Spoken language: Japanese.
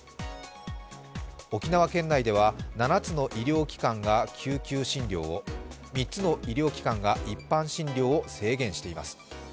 沖縄県内では７つの医療機関が救急診療を３つの医療機関が一般診療を制限しています。